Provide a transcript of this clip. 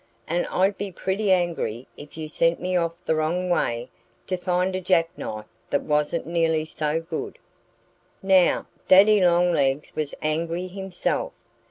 And I'd be pretty angry if you sent me off the wrong way to find a jackknife that wasn't nearly so good." Now, Daddy Longlegs was angry himself.